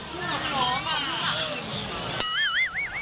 ที่ครองมันมา